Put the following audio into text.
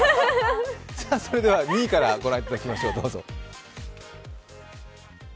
それでは２位からご覧いただきましょう、どうぞ。